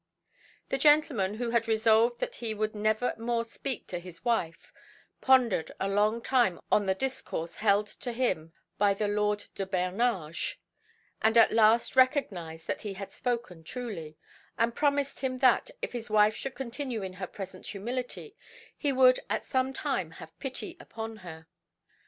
The gentleman, who had resolved that he would never more speak to his wife, pondered a long time on the discourse held to him by the Lord de Bernage, and at last recognised that he had spoken truly, and promised him that, if his wife should continue in her present humility, he would at some time have pity upon her.